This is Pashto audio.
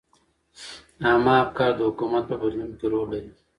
عامه افکار د حکومت په بدلون کې رول لري.